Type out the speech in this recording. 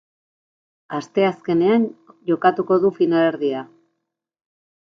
Asteazkenean jokatuko du finalerdia.